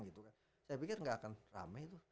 gitu kan saya pikir gak akan rame